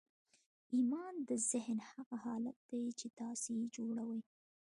ایمان د ذهن هغه حالت دی چې تاسې یې جوړوئ